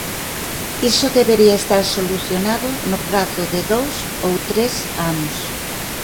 Iso debería estar solucionado no prazo de dous ou tres anos.